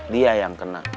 dia yang kena